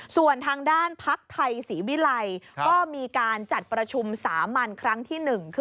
ส่วนทางด้านภักดิ์ไทยสีวิไลก็มีการจัดประชุมสามัญครั้งที่หนึ่งขึ้น